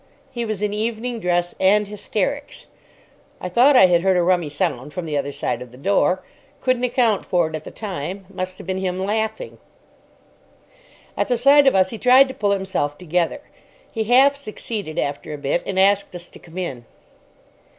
He was in evening dress and hysterics. I thought I had heard a rummy sound from the other side of the door. Couldn't account for it at the time. Must have been him laughing. At the sight of us he tried to pull himself together. He half succeeded after a bit, and asked us to come in.